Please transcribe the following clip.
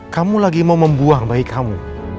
kamu lagi mau membuang bayi kamu